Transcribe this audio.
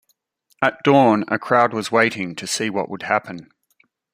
At dawn a crowd was waiting to see what would happen.